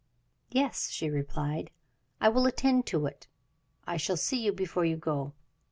"Yes," she replied; "I will attend to it. I shall see you before you go."